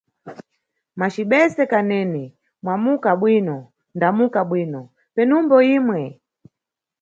Macibese Kanene, wamuka bwino, damuka bwino, penumbo imwe?